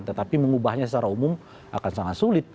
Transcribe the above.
tetapi mengubahnya secara umum akan sangat sulit